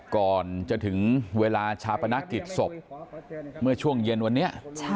ก่อนจะถึงเวลาชาปนกิจศพเมื่อช่วงเย็นวันนี้